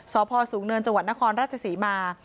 สพสูงเนินจังหวัดนครราชศรีมา